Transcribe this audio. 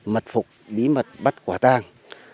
mật phục bí mật bắt quả tàng